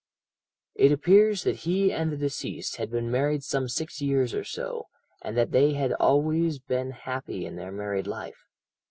"It appears that he and the deceased had been married some six years or so, and that they had always been happy in their married life.